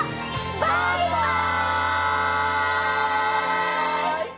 バイバイ！